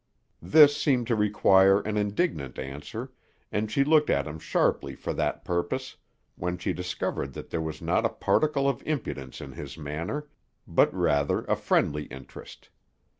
This seemed to require an indignant answer, and she looked at him sharply for that purpose, when she discovered that there was not a particle of impudence in his manner, but rather a friendly interest.